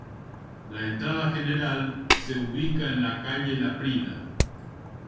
La entrada general se ubica en la calle Laprida.